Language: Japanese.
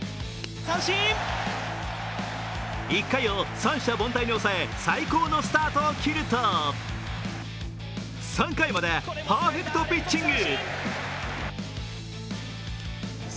１回を三者凡退に抑え最高のスタートを切ると３回までパーフェクトピッチング。